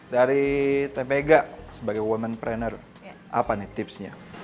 dari tpega sebagai women trainer apa nih tipsnya